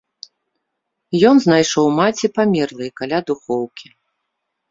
Ён знайшоў маці памерлай каля духоўкі.